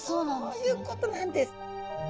そういうことなんです。